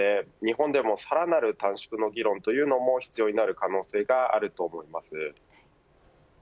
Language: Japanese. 日本でもさらなる短縮の議論というのも必要になる可能性があると思います。